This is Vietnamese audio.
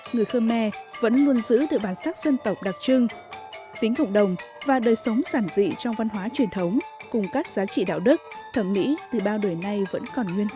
người khơ me vẫn luôn giữ được bản sắc dân tộc đặc trưng tính cộng đồng và đời sống sản dị trong văn hóa truyền thống cùng các giá trị đạo đức thẩm mỹ từ bao đời nay vẫn còn nguyên vẹn